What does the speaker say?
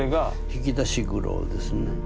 引き出し黒ですね。